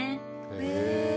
へえ。